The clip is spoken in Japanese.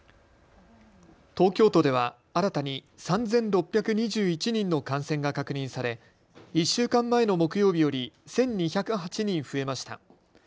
東京都では新たに３６２１人の感染が確認され１週間前の木曜日より１２０８人増えました。